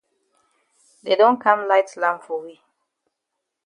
Dey don kam light lamp for we.